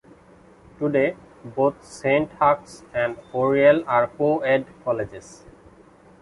Today both Saint Hugh's and Oriel are co-ed colleges.